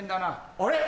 あれ？